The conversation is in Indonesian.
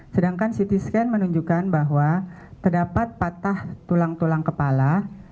sedangkan ct scan menunjukkan bahwa terdapat patah tulang tulang kepala